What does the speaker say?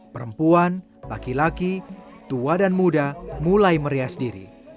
perempuan laki laki tua dan muda mulai merias diri